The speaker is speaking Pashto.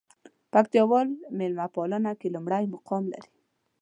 پکتياوال ميلمه پالنه کې لومړى مقام لري.